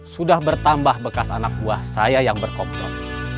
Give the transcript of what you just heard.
sudah bertambah bekas anak buah saya yang berkompok